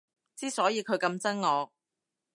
之所以佢咁憎我